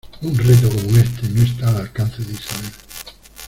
¡Un reto como éste no está al alcance de Isabel!